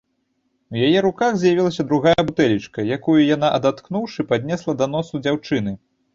У яе руках з'явілася другая бутэлечка, якую яна, адаткнуўшы, паднесла да носа дзяўчыны.